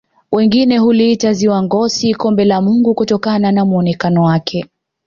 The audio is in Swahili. wengine huliita ziwa ngosi kombe la mungu kutokana na muonekano wake